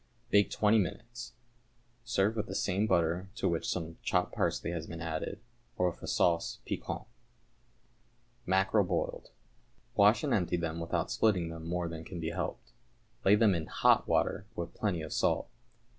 Bake twenty minutes. Serve with the same butter to the which some chopped parsley has been added, or with a sauce piquante. =Mackerel, Boiled.= Wash and empty them without splitting them more than can be helped. Lay them in hot water with plenty of salt.